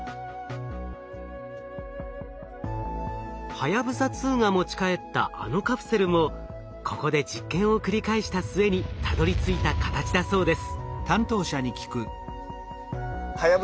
はやぶさ２が持ち帰ったあのカプセルもここで実験を繰り返した末にたどりついた形だそうです。